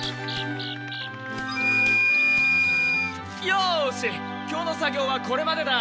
よし今日の作業はこれまでだ。